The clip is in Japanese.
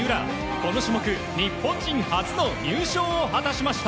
この種目、日本人初の入賞を果たしました。